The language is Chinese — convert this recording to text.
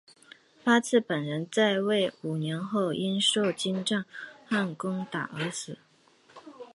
八剌本人在位五年后因受金帐汗攻打而死。